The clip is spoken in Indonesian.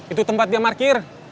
itu tempat dia markir